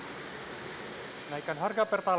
harga yang dipercayai adalah harga kesehatan negara